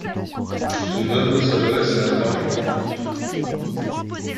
Son œuvre s'adresse à un large public.